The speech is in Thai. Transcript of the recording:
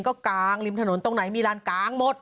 เต็นต์มาเองก็กางริมถนนตรงไหนมีร้านกางหมด